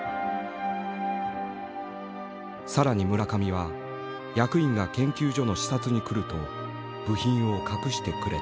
更に村上は役員が研究所の視察に来ると部品を隠してくれた。